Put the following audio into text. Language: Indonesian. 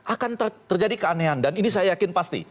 akan terjadi keanehan dan ini saya yakin pasti